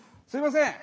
すいません